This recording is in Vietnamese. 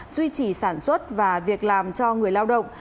duy trì sản xuất và việc làm cho người lao động